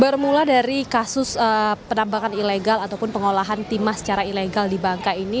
bermula dari kasus penambangan ilegal ataupun pengolahan timah secara ilegal di bangka ini